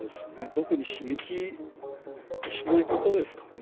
特に刺激しないことですかね。